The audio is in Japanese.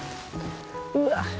うわっ。